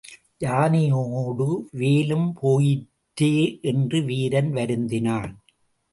யானையோடு வேலும் போயிற்றே என்று வீரன் வருந்தினான்.